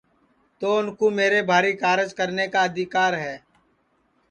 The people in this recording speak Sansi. تو اُن کُو میرے بھاری کارج کرنے کا آدیکر ہے